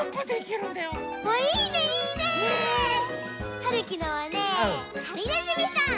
はるきのはねはりねずみさん。